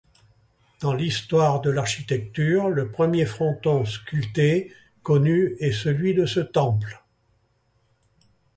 Dans l'histoire de l'architecture, le premier fronton sculpté connu est celui du ce temple.